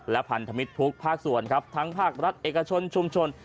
และพันธมิตรทุกภาคส่วนครับทั้งภาครัฐเอกชนชุมชน